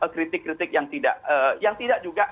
kritik kritik yang tidak